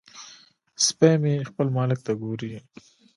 سپی مې خپل مالک ته ګوري.